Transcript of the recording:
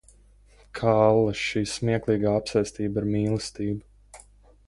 Kā allaž šī smieklīgā apsēstība ar mīlestību!